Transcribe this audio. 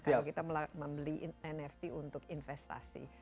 kalau kita membeli nft untuk investasi